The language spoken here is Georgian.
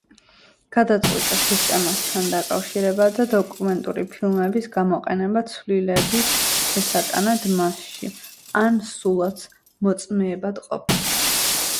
გადაწყვიტეს სისტემასთან დაკავშირება და დოკუმენტური ფილმების გამოყენება ცვლილების შესატანად მასში, ან სულაც მოწმეებად ყოფნა.